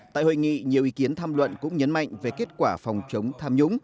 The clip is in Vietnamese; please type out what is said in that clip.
tại hội nghị nhiều ý kiến tham luận cũng nhấn mạnh về kết quả phòng chống tham nhũng